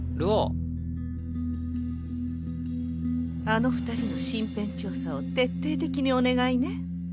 あの二人の身辺調査を徹底的にお願いね。